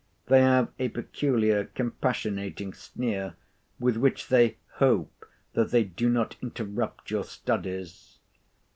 They have a peculiar compassionating sneer, with which they "hope that they do not interrupt your studies."